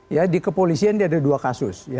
ya di kepolisian ini ada dua kasus